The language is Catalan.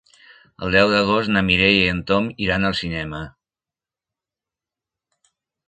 El deu d'agost na Mireia i en Tom iran al cinema.